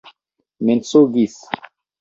mensogis